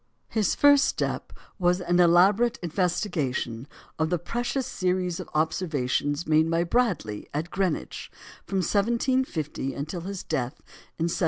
His first step was an elaborate investigation of the precious series of observations made by Bradley at Greenwich from 1750 until his death in 1762.